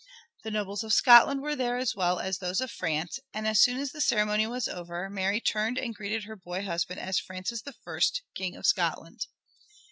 The nobles of Scotland were there as well as those of France, and as soon as the ceremony was over Mary turned and greeted her boy husband as Francis I, King of Scotland.